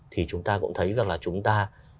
thì chúng ta cũng thấy rằng là chúng ta